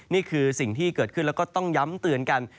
นี่คือสิ่งที่เกิดขึ้นแล้วก็ต้องย้ำเตือนกัน